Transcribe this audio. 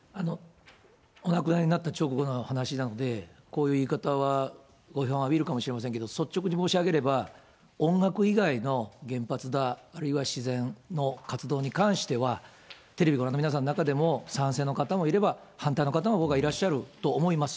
お亡くなりになった直後の話なので、こういう言い方はご批判を浴びるかもしれませんけども、率直に申し上げれば、音楽以外の原発だ、あるいは自然の活動に関しては、テレビご覧の皆さんの中でも、賛成の方もいれば、反対の方も僕はいらっしゃると思います。